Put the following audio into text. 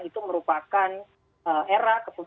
itu merupakan era